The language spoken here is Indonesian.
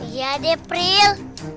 iya deh pril